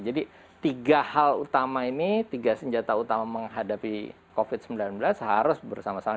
jadi tiga hal utama ini tiga senjata utama menghadapi covid sembilan belas harus bersama sama